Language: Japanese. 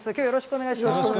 よろしくお願いします。